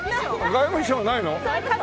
外務省ないの？